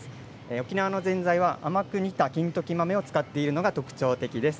沖縄のぜんざいは甘く煮た金時豆を使っているのが特徴的です。